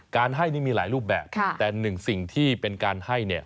ให้นี่มีหลายรูปแบบแต่หนึ่งสิ่งที่เป็นการให้เนี่ย